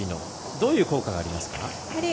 どういう効果がありますか？